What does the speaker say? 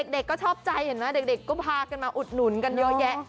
เด็กก็ชอบใจเห็นไหมเด็กก็พากันมาอุดหนุนกันเยอะแยะ